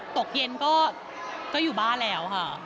ตกเย็นก็อยู่บ้านแล้วค่ะ